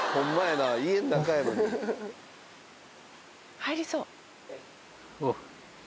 入りそう。